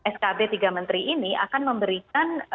skb tiga menteri ini akan memberikan